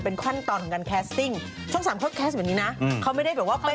เป็นขั้นตอนของการแคสติ้งช่องสามเขาแคสต์แบบนี้นะเขาไม่ได้แบบว่าไป